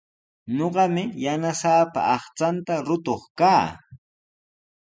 Ñuqami yanasaapa aqchanta rukuq kaa.